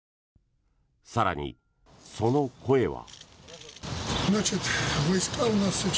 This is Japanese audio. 更に、その声は。